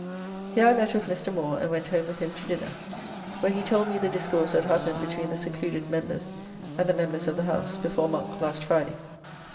Here I met with Mr. Moore, and went home with him to dinner, where he told me the discourse that happened between the secluded members and the members of the House, before Monk last Friday.